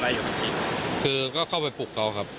อีกคนใช้ไม้ตีครับ